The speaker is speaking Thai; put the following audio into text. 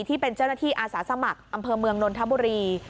ที่เป็นเจ้าหน้าที่อาสาสมัครอำเภอเมืองนนทบุรี